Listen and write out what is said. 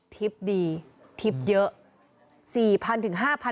ทิพย์ดีทิพย์เยอะ